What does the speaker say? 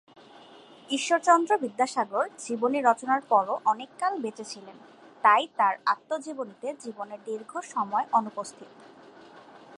ঈশ্বরচন্দ্র বিদ্যাসাগর জীবনী রচনার পরও অনেককাল বেঁচেছিলেন; তাই তাঁর আত্মজীবনীতে জীবনের দীর্ঘ সময় অনুপস্থিত।